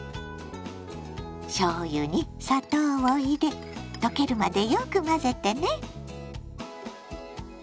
しょうゆに砂糖を入れ溶けるまでよく混ぜてね。